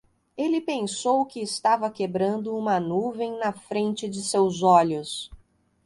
Ele pensou que estava quebrando uma nuvem na frente de seus olhos.